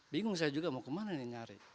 bingung saya juga mau kemana ini nyari